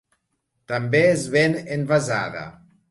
També es ven envasada.